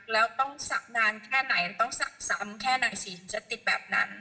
แล้วต้องศักดิ์นานแค่ไหนแล้วต้องศักดิ์ซ้ำแค่ไหนสิ่งที่จะติดแบบนั้น